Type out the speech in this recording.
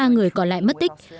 ba người còn lại mất tích